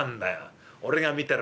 俺が見てる